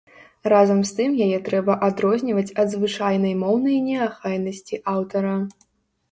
Разам з тым яе трэба адрозніваць ад звычайнай моўнай неахайнасці аўтара.